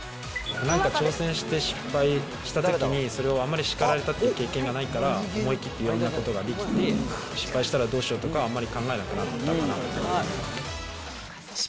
なんか挑戦して失敗したときに、それをあんまり叱られたっていう経験がないから、思い切っていろんなことができて、失敗したらどうしようとか、あんまり考えなくなったかなって思います。